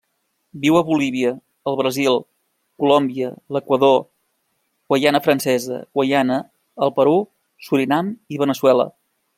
Viu a Bolívia, el Brasil, Colòmbia, l'Equador, Guaiana Francesa, Guaiana, el Perú, Surinam i Veneçuela.